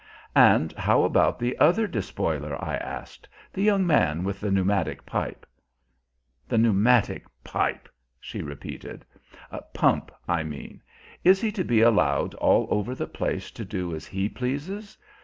"And how about the other despoiler," I asked "the young man with the pneumatic pipe?" "The 'pneumatic pipe'!" she repeated. "'Pump,' I mean. Is he to be allowed all over the place to do as he pleases?